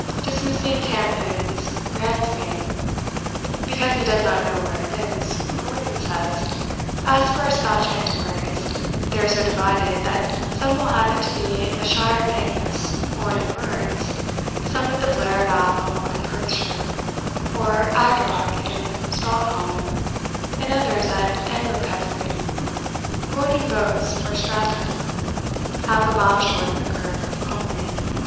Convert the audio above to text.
Dismissing Camden's Grantsbain, because he does not know where it is, Gordon says, "As for our Scotch Antiquaries, they are so divided that some will have it to be in the shire of Angus, or in the Mearns, some at the Blair of Athol in Perthshire, or Ardoch in Strathallan, and others at Inverpeffery." Gordon votes for Strathern, "half a mile short of the Kirk of Comrie."